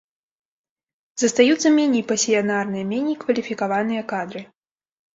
Застаюцца меней пасіянарныя, меней кваліфікаваныя кадры.